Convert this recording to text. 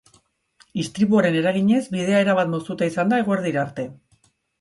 Istripuaren eraginez, bidea erabat moztuta izan da eguerdira arte.